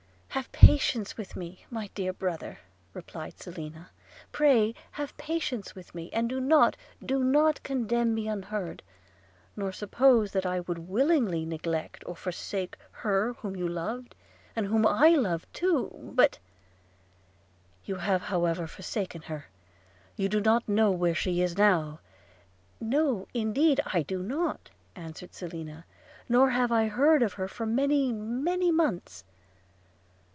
'Have patience with me, my dear brother,' replied Selina – 'pray, have patience with me; and do not, do not condemn me unheard, nor suppose that I would willingly neglect or forsake her whom you loved, and whom I loved too ... .But ...' 'You have however forsaken her! you do not know where she is now?' 'No indeed, I do not,' answered Selina – 'nor have I heard of her for many, many months.'